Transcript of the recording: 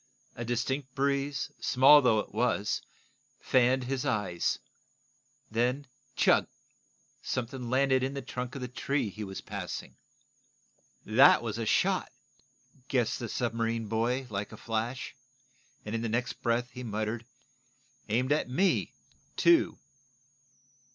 A distinct breeze, small though it was, fanned his eyes. Then chug! Something landed in the trunk of the tree he was passing. "That was a shot!" guessed the submarine boy, like a flash, and in the next breath he muttered: "Aimed at me, too!"